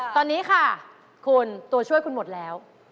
ตอนนี้ค่ะคุณตัวช่วยคุณหมดแล้ว